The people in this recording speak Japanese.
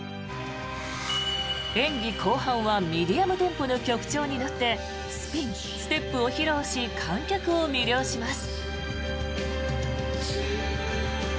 演技後半はミディアムテンポの曲調に乗ってスピン、ステップを披露し観客を魅了します。